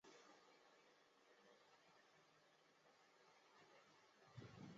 拳参为蓼科春蓼属下的一个种。